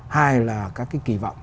hai là các cái kỳ vọng